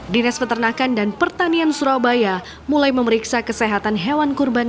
dinas peternakan dan pertanian surabaya mulai memeriksa kesehatan hewan kurban